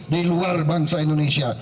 di luar bangsa indonesia